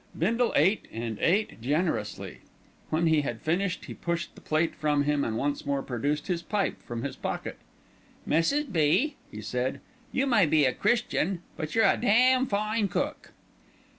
Bindle ate and ate generously. When he had finished he pushed the plate from him and once more produced his pipe from his pocket. "Mrs. B.," he said, "you may be a Christian; but you're a damn fine cook."